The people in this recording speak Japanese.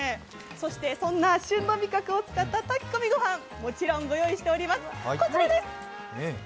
そしてそんな旬の味覚を使った炊き込みご飯、もちろんご用意しております、こちらです！